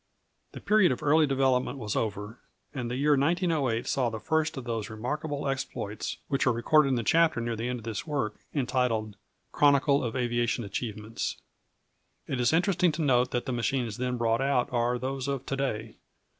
The period of early development was over, and the year 1908 saw the first of those remarkable exploits which are recorded in the chapter near the end of this work entitled, "Chronicle of Aviation Achievements." It is interesting to note that the machines then brought out are those of to day.